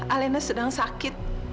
alena sedang sakit